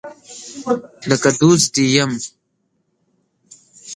لکه دوست دي یم